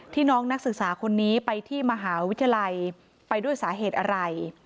น้องนักศึกษาคนนี้ไปที่มหาวิทยาลัยไปด้วยสาเหตุอะไร